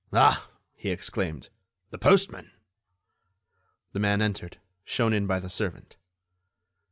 "Ah!" he exclaimed, "the postman." The man entered, shown in by the servant.